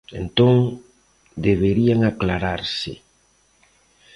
Entón, deberían aclararse.